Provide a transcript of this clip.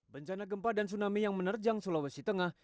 bencana gempa dan tsunami yang menerjang sulawesi tengah